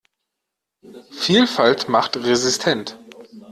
Vielfalt macht resistent.